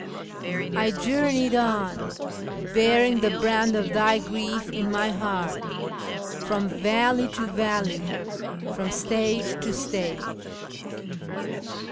" I journeyed on, bearing the brand of Thy grief in my heart, From valley to valley, from stage to stage."